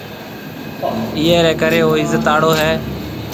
ايئي ريَ ڪريَ او عِزت آݪو هيَ۔